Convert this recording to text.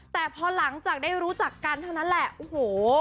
แต่พอหลังจากได้รู้จักกันเท่านั้นแหละโอ้โห